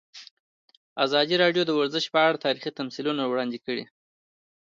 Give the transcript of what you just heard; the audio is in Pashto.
ازادي راډیو د ورزش په اړه تاریخي تمثیلونه وړاندې کړي.